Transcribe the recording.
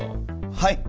はい。